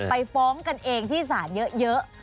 ไปฟ้องกันเองที่ศาลเยอะ